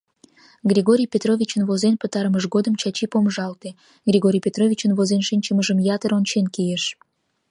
Григорий Петровичын возен пытарымыж годым Чачи помыжалте, Григорий Петровичын возен шинчымыжым ятыр ончен кийыш.